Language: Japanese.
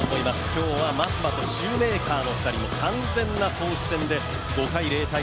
今日は松葉とシューメーカーの２人の完全な投手戦で、５回、０−０。